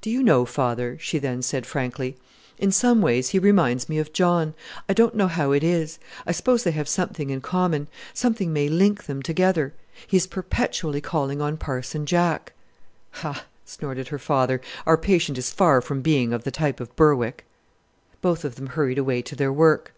"Do you know, father," she then said frankly, "in some ways he reminds me of John. I don't know how it is; I suppose they have something in common, something may link them together. He is perpetually calling on Parson Jack." "Ha!" snorted her father. "Our patient is far from being of the type of Berwick!" Both of them hurried away to their work.